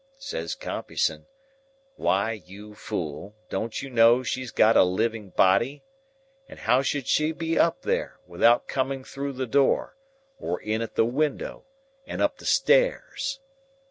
"Says Compeyson: 'Why, you fool, don't you know she's got a living body? And how should she be up there, without coming through the door, or in at the window, and up the stairs?